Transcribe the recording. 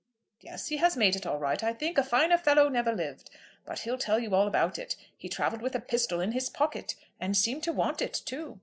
"Yes; he has made it all right, I think. A finer fellow never lived. But he'll tell you all about it. He travelled with a pistol in his pocket, and seemed to want it too.